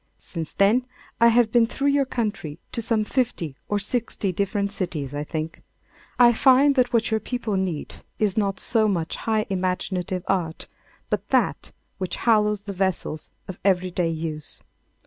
Since then, I have been through your country to some fifty or sixty different cities, I think. I find that what your people need is not so much high imaginative art but that which hallows the vessels of everyday use.